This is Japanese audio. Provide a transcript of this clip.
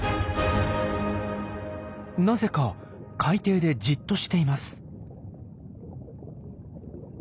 なぜか海底でじっとしています。